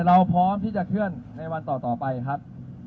เราพร้อมที่จะเคลื่อนในวันต่อไปครับ